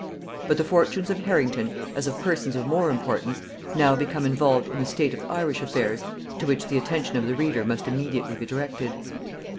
But the fortunes of Harrington, as of persons of more importance, now become involved in the state of Irish affairs, to which the attention of the reader must immediately be directed.